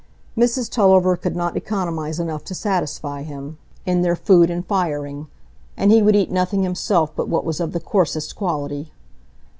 Mrs Tulliver could not economise enough to satisfy him, in their food and firing; and he would eat nothing himself but what was of the coarsest quality.